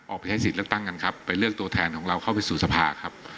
ไปใช้สิทธิ์เลือกตั้งกันครับไปเลือกตัวแทนของเราเข้าไปสู่สภาครับ